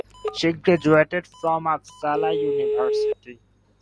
She graduated from Uppsala University.